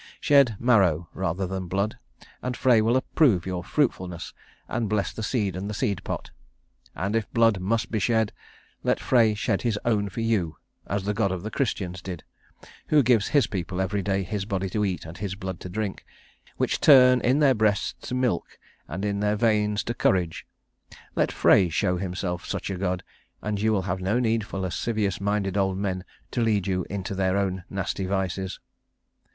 Shed marrow rather than blood, and Frey will approve your fruitfulness and bless the seed and the seed plot. And if blood must be shed, let Frey shed his own for you, as the God of the Christians did, Who gives His people every day His body to eat and His blood to drink which turn in their breasts to milk and in their veins to courage. Let Frey show himself such a God, and you will have no need for lascivious minded old men to lead you into their own nasty vices."